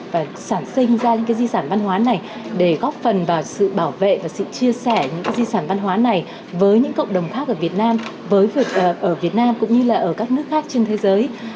và sản sinh ra những di sản văn hóa này để góp phần vào sự bảo vệ và sự chia sẻ những di sản văn hóa này với những cộng đồng khác ở việt nam ở việt nam cũng như là ở các nước khác trên thế giới